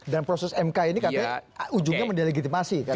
dan proses mk ini katanya ujungnya mendelegitimasi katanya